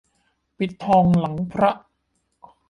ปิดทองหลังพระ